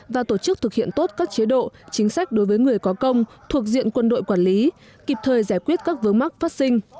và tổ chức thực hiện tốt các chế độ chính sách đối với người có công thuộc diện quân đội quản lý kịp thời giải quyết các vướng mắc phát sinh